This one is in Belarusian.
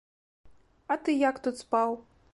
А ты як тут спаў?